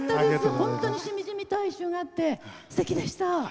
本当にしみじみと哀愁があってすてきでした！